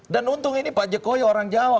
dan untung ini pak jokowi orang jawa